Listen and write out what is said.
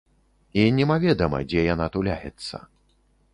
І немаведама, дзе яна туляецца.